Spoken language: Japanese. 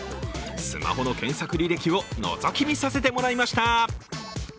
スマホの検索履歴をのぞき見させてもらいました。